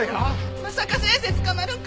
まさか先生捕まるんか？